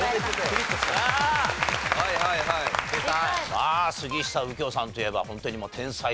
まあ杉下右京さんといえばホントに天才的なね